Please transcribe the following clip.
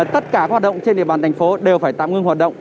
tất cả hoạt động trên địa bàn tp hcm đều phải tạm ngưng hoạt động